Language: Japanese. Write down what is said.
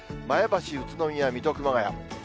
前橋、宇都宮、水戸、熊谷。